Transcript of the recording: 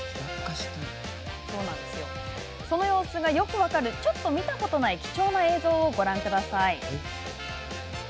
その様子がよく分かるちょっと見たことない貴重な映像をご覧ください。